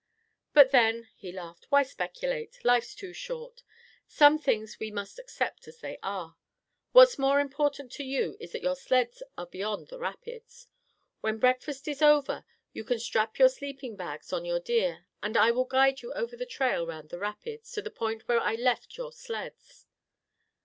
"But then," he laughed, "why speculate? Life's too short. Some things we must accept as they are. What's more important to you is that your sleds are beyond the rapids. When breakfast is over, you can strap your sleeping bags on your deer and I will guide you over the trail around the rapids to the point where I left your sleds."